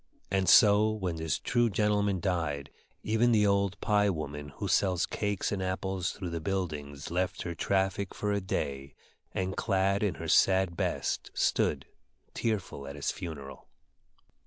And so when this true gentleman died, even the old pie woman who sells cakes and apples through the buildings left her traffic for a day, and, clad in her sad best, stood, tearful at his funeral.